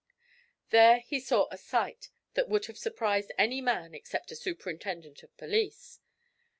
There he saw a sight that would have surprised any man except a superintendent of police.